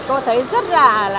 cô thấy rất là